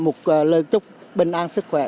một lời chúc bình an sức khỏe